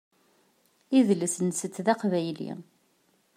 Idles-nsent d aqbayli.